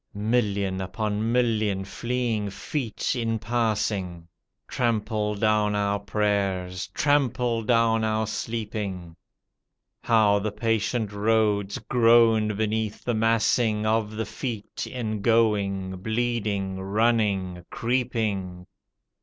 Million upon million fleeing feet in passing Trample down our prayers — ^trample down our sleep ing; How the patient roads groan beneath the massing Of the feet in going, bleeding, running, creeping!